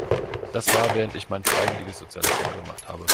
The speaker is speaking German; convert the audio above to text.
Das war während ich mein freiwilliges soziales Jahr gemacht habe.